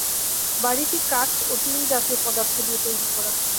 বাড়িটি কাঠ ও টিন জাতীয় পদার্থ দিয়ে তৈরি করা।